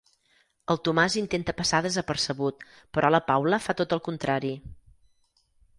El Tomàs intenta passar desapercebut, però la Paula fa tot el contrari.